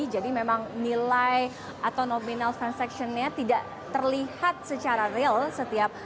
jadi memang nilai atau nominal transaksi tidak terbatas